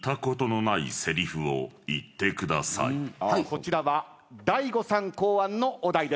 こちらは大悟さん考案のお題です。